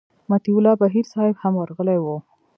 مطیع الله بهیر صاحب هم ورغلی و.